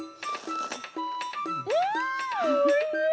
うんおいしい！